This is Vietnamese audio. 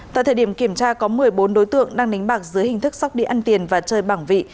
tại thời điểm kiểm tra có một mươi bốn đối tượng đang đánh bạc dưới hình thức sóc địa ăn tiền và chơi bảng vị